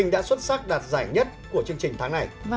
đã xuất sắc đạt giải nhất của chương trình tháng này